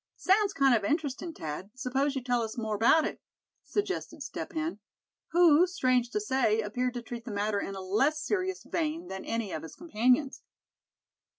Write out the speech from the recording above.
"Sounds kind of interestin', Thad; s'pose you tell us more about it?" suggested Step Hen; who, strange to say, appeared to treat the matter in a less serious vein than any of his companions.